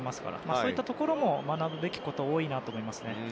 そういったところも学ぶべきところ多いと思います。